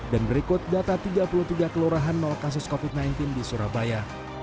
dan berikut data tiga puluh tiga kelurahan nol kasus covid sembilan belas di surabaya